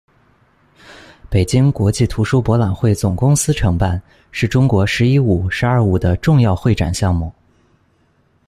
北京国际图书博览会总公司承办，是中国「十一五」、「十二五」的重要会展项目。